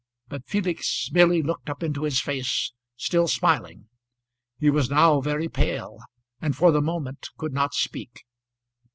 But Felix merely looked up into his face, still smiling. He was now very pale, and for the moment could not speak.